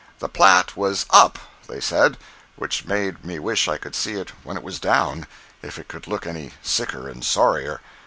The Platte was "up," they said—which made me wish I could see it when it was down, if it could look any sicker and sorrier.